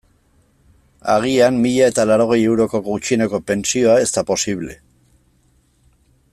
Agian mila eta laurogei euroko gutxieneko pentsioa ez da posible.